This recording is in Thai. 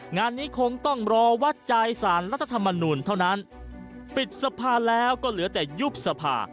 งานนี้คงต้องรอวัดใจสารรัฐธรรมนูลเท่านั้นปิดสภาแล้วก็เหลือแต่ยุบสภา